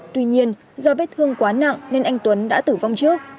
tuy nhiên do vết thương quá nặng nên anh tuấn đã tử vong trước